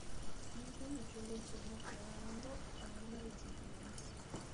Newton luchó y golpeó, noqueando a una de las enfermeras.